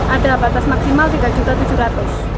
ada batas maksimal rp tiga tujuh ratus